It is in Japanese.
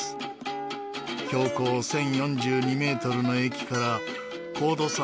標高１０４２メートルの駅から高度差